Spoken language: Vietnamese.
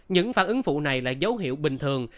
những phản ứng phụ này là dấu hiệu bình thường